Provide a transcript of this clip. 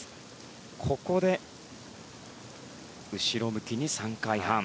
ここで後ろ向きに３回半。